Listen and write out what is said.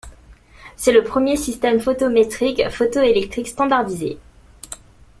C'est le premier système photométrique photoélectrique standardisé.